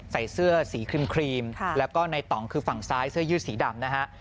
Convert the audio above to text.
ใส่เสื้อสีครีมแล้วก็ในต่องคือฝั่งซ้ายเสื้อยืดสีดำนะฮะ